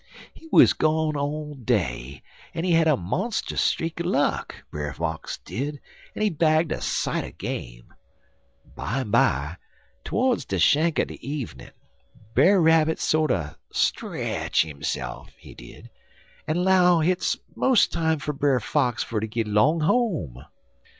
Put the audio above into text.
He wuz gone all day, en he had a monstus streak er luck, Brer Fox did, en he bagged a sight er game. Bimeby, to'rds de shank er de evenin', Brer Rabbit sorter stretch hisse'f, he did, en 'low hit's mos' time fer Brer Fox fer ter git 'long home.